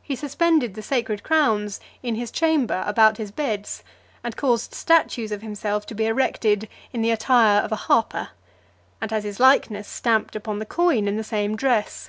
He suspended the sacred crowns in his chamber, about his beds, and caused statues of himself to be erected in the attire of a harper, and had his likeness stamped upon the coin in the same dress.